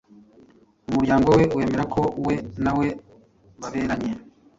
Umuryango we wemera ko we na we baberanye